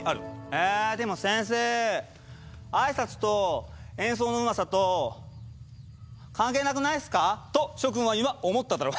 「えでも先生あいさつと演奏のうまさと関係なくないっすか？」と諸君は今思っただろう。